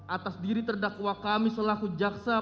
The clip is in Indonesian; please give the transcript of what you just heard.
atas diri terdakwa kami selaku jaksa